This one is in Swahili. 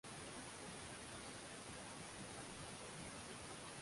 i ni mzuri kabisa mpaka sasa hivi